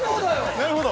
なるほど。